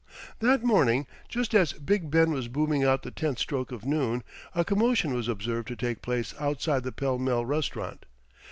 That morning, just as Big Ben was booming out the tenth stroke of noon, a commotion was observed to take place outside the Pall Mall Restaurant.